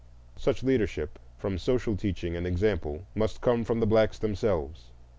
Such leadership, such social teaching and example, must come from the blacks themselves.